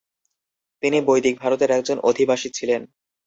তিনি বৈদিক ভারতের একজন অধিবাসী ছিলেন।